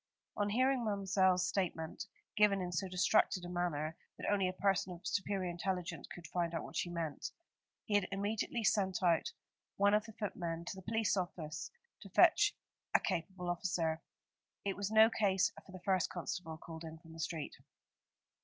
On hearing Ma'mselle's statement, given in so distracted a manner that only a person of superior intelligence could find out what she meant, he had immediately sent one of the footmen to the police office, to fetch a capable officer. It was no case for the first constable called in from the street.